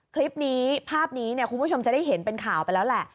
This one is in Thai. คลิปนี้ภาพนี้คุณผู้ชมจะได้เห็นเป็นข่าวไปแล้วแหละ